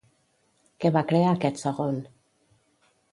Què va crear aquest segon?